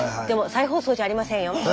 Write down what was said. でも再放送じゃありませんよ。